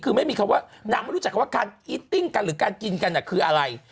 คือไม่มีคำว่านางไม่รู้จักคำว่าการอีติ้งกันหรือการกินกันคืออะไร